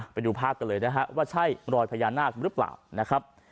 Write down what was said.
ไปดูภาพกันเลยนะครับว่าใช่ร้อยพญานาคหรือเปล่า